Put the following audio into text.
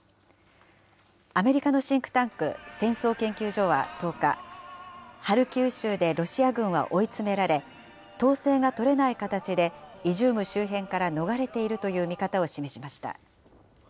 アメリカのシンクタンク、戦争研究所は１０日、ハルキウ州でロシア軍は追い詰められ、統制が取れない形でイジューム周辺から逃れているという見方を示しました。